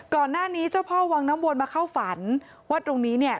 เจ้าพ่อวังน้ำวนมาเข้าฝันว่าตรงนี้เนี่ย